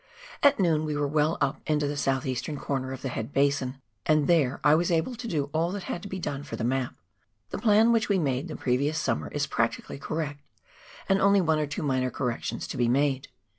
At noon we were well up into the south eastern corner of the head basin, and there I was able to do all that had to be done for the map. The plan which we made the previous summer is practically correct, and only one or two minor corrections to be made.